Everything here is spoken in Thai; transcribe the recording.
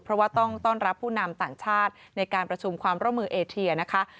เพราะว่าต้องต้อนรับผู้นำต่างชาติในการประชุมความร่วมมือเอเทียนะคะ